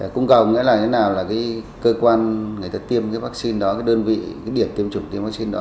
cung cầu nghĩa là như thế nào là cái cơ quan người ta tiêm cái vaccine đó cái đơn vị cái điểm tiêm chủng tiêm vaccine đó